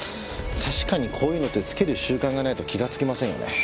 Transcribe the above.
確かにこういうのってつける習慣がないと気がつきませんよね。